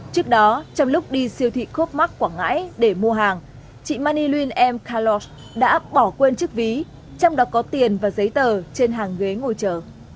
trước đó trong lúc đi siêu thị cope mark quảng ngãi để mua hàng chị manilin m kalog đã bỏ quên chiếc ví trong đó có tiền và giấy tờ trên hàng ghế ngồi chờ